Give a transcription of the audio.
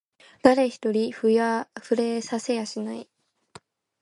誰一人触れさせやしない